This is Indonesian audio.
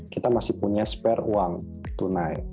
kita masih punya spare uang tunai